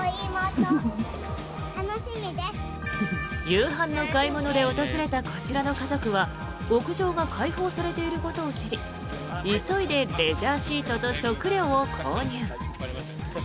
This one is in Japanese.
夕飯の買い物で訪れたこちらの家族は屋上が開放されていることを知り急いでレジャーシートと食料を購入。